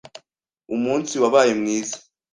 Umunsi wabaye mwiza.